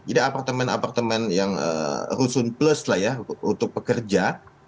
jadi apartemen apartemen yang rusun plus lah ya untuk pekerja